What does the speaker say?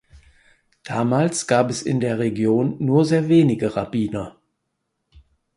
Damals gab es in der Region nur sehr wenige Rabbiner.